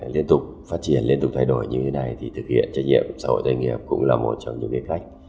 liên tục phát triển liên tục thay đổi như thế này thì thực hiện trách nhiệm xã hội doanh nghiệp cũng là một trong những cách